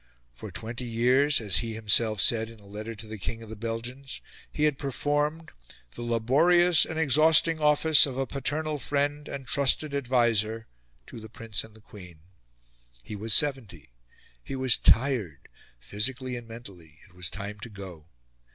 For twenty years, as he himself said in a letter to the King of the Belgians, he had performed "the laborious and exhausting office of a paternal friend and trusted adviser" to the Prince and the Queen. He was seventy; he was tired, physically and mentally; it was time to go.